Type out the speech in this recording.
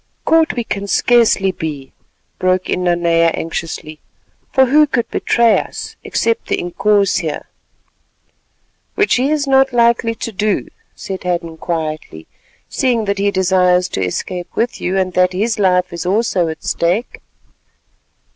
"Caught we can scarcely be," broke in Nanea anxiously, "for who could betray us, except the Inkoos here——" "Which he is not likely to do," said Hadden quietly, "seeing that he desires to escape with you, and that his life is also at stake."